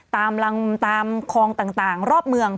ตามคลองต่างรอบเมือง